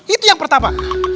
itu yang pertama